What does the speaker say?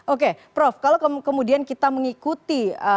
oke prof kalau kemudian kita mengikuti